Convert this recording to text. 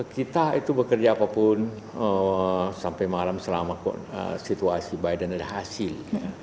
kita itu bekerja apapun sampai malam selama situasi biden ada hasil